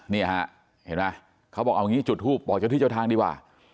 นี่ฮะเห็นไหมเขาบอกเอางี้จุดทูปบอกเจ้าที่เจ้าทางดีกว่า